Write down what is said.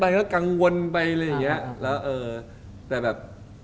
คู่กันปั้งได้แล้วแบบ